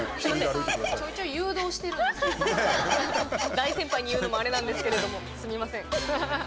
大先輩に言うのもあれなんですけれどもすみません。